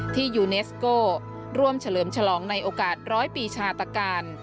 ยูเนสโก้ร่วมเฉลิมฉลองในโอกาสร้อยปีชาตการ